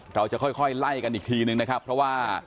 เราจะค่อยไล่กันอีกทีนึงนะครับเพราะว่า